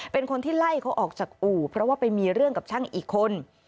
เป็นคนที่ไล่เขาออกจากอู่เพราะว่าไปมีเรื่องกับช่างอีกคน